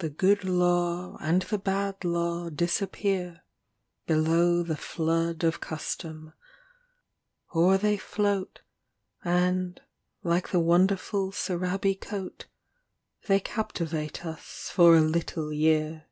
LXXVIII The good law and the bad law disappear Below the flood of custom, or they float And, like the wonderful SarŌĆÖaby coat, They captivate us for a little year.